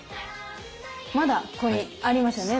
まだここにありますよね